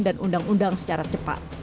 dan undang undang secara cepat